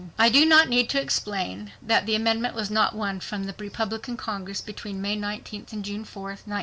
I do not need to explain that the amendment was not won from the Republican Congress between May 19th and June 4th, 1919.